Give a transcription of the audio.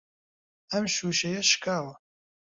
ئەم شووشەیە شکاوە.